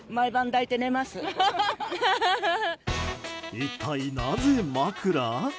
一体なぜ枕？